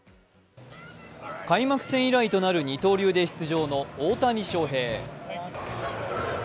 開幕戦以来となる二刀流で出場の大谷翔平。